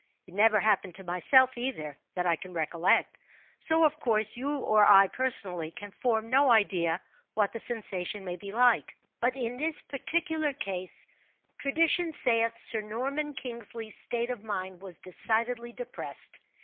It never happened to myself, either, that I can recollect; so, of course, you or I personally can form no idea what the sensation may be like; but in this particular case, tradition saith Sir Norman Kingsley's state of mind was decidedly depressed.